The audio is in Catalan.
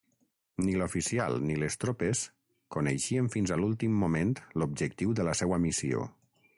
Ni l'oficial ni les tropes coneixien fins a l'últim moment l'objectiu de la seua missió.